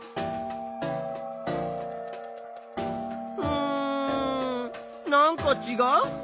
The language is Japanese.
うんなんかちがう？